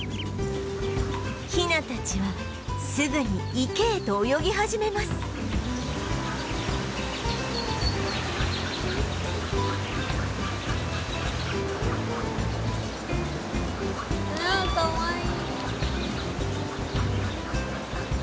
ヒナたちはすぐに池へと泳ぎ始めますわあかわいい！